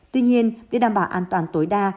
tuy nhiên để đảm bảo an toàn tối đa